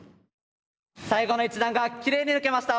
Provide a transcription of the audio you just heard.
最後の１段がきれいに抜けました！